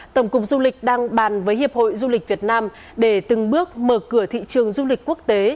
tổng cục du lịch đang bàn với hiệp hội du lịch việt nam để từng bước mở cửa thị trường du lịch quốc tế